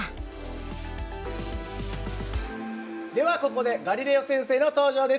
ではここでガリレオ先生の登場です。